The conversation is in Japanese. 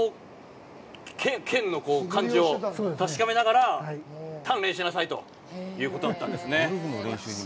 剣の感じを確かめながら鍛錬しなさいということだったんですね。